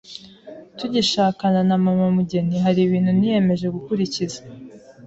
Tugishakana na Mama MUGENI, hari ibintu niyemeje gukurikiza,